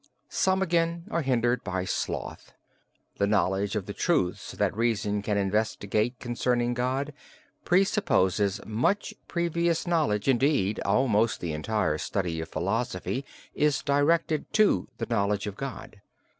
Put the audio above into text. Some again are hindered by sloth. The knowledge of the truths that reason can investigate concerning God presupposes much previous knowledge; indeed almost the entire study of philosophy is directed to the knowledge of God.